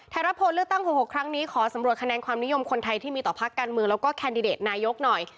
รัฐโพเลือกตั้ง๖๖ครั้งนี้ขอสำรวจคะแนนความนิยมคนไทยที่มีต่อพักการเมืองแล้วก็แคนดิเดตนายกหน่อย